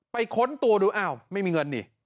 ค้นตัวดูอ้าวไม่มีเงินนี่